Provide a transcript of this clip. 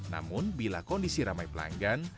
namun bila kondisi ramai pelanggan